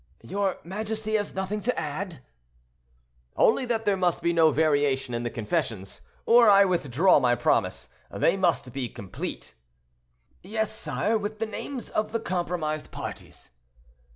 "Your majesty has nothing to add?" "Only that there must be no variation in the confessions, or I withdraw my promise; they must be complete." "Yes, sire; with the names of the compromised parties."